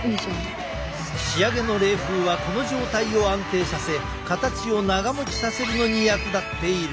仕上げの冷風はこの状態を安定させ形を長もちさせるのに役立っている。